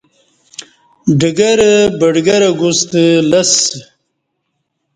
ڈگرہ بڈگرہ گوستہ لسہ